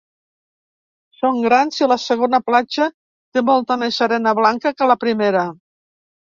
Són grans i la segona platja, té molta més arena blanca que la primera.